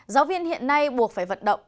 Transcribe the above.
giáo viên hiện nay buộc phải vận động